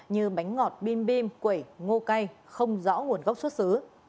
như bánh ngọt bim bim quẩy ngô cay không rõ nguồn gốc xuất xứ